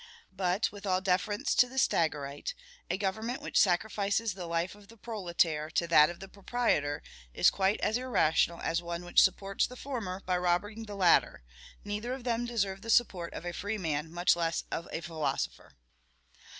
But, with all deference to the Stagirite, a government which sacrifices the life of the proletaire to that of the proprietor is quite as irrational as one which supports the former by robbing the latter; neither of them deserve the support of a free man, much less of a philosopher.